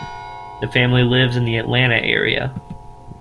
The family lives in the Atlanta area.